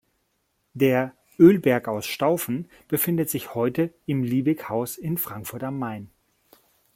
Der "Ölberg aus Staufen" befindet sich heute im Liebieghaus in Frankfurt am Main.